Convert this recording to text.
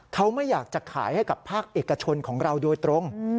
เขาไม่อยากจะขายให้กับภาคเอกชนของเราโดยตรง